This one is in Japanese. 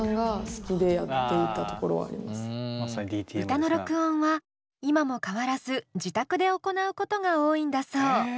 歌の録音は今も変わらず自宅で行うことが多いんだそう。